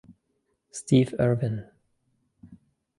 Steve Irvin